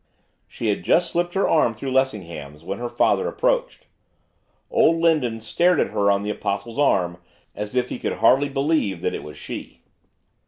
She had just slipped her arm through Lessingham's when her father approached. Old Lindon stared at her on the Apostle's arm, as if he could hardly believe that it was she.